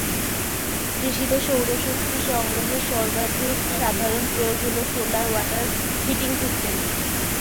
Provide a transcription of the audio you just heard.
কৃষিতে সৌর শক্তি সংগ্রহের সর্বাধিক সাধারণ প্রয়োগ হলো সোলার ওয়াটার হিটিং সিস্টেম।